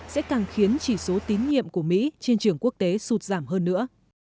sẽ càng khiến chỉ số tín nhiệm của mỹ trên trường quốc tế sụt giảm hơn nữa